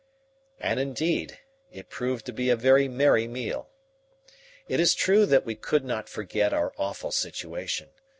And, indeed, it proved to be a very merry meal. It is true that we could not forget our awful situation.